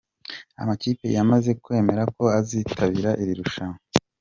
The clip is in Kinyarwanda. Amakipe yamaze kwemera ko azitabira iri rushanwa:.